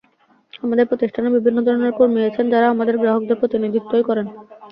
আমাদের প্রতিষ্ঠানে বিভিন্ন ধরনের কর্মী আছেন যাঁরা আমাদের গ্রাহকদের প্রতিনিধিত্বই করেন।